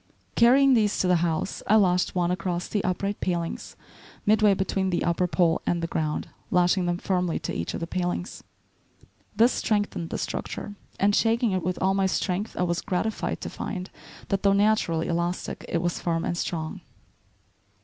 Carrying these to the house, I lashed one across the upright palings midway between the upper pole and the ground, lashing them firmly to each of the palings. This strengthened the structure, and shaking it with all my strength I was gratified to find that, though naturally elastic, it was firm and strong.